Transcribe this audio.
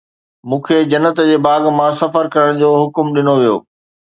مون کي جنت جي باغ مان سفر ڪرڻ جو حڪم ڇو ڏنو ويو؟